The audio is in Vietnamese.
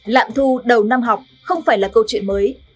lạm thu đầu năm học không phải là câu chuyện mới